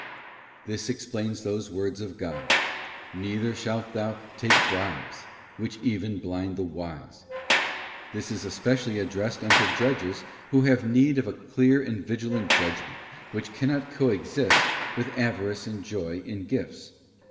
This explains those words of God: ' Neither shalt thou take bribes, which even blind the wise.' This is especially addressed unto judges who have need of a clear and vigilant judgment, which cannot coexist with avarice and joy in gifts.